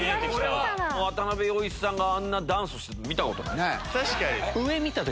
渡部陽一さんがあんなダンスしてるの見たことない。